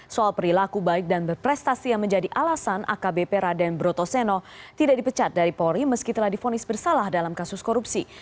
soal perilaku baik dan berprestasi yang menjadi alasan akbp raden brotoseno tidak dipecat dari polri meski telah difonis bersalah dalam kasus korupsi